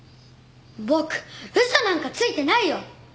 僕嘘なんかついてないよ！